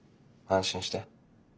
安心して。